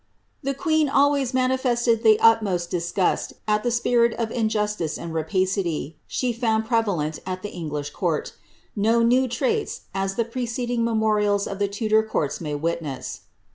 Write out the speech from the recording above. # The queen always manifested the utmost disgust at the spirit of in justice and rapacity she found prevalent at the English court — no new tmits, as the preceding memorials of the Tudor courts may witness.